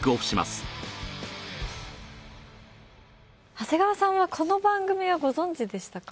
長谷川さんはこの番組はご存じでしたか？